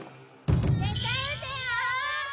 絶対打てよ！